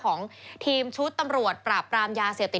ของทีมชุดตำรวจปราบปรามยาเสพติด